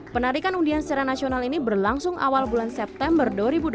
penarikan undian secara nasional ini berlangsung awal bulan september dua ribu dua puluh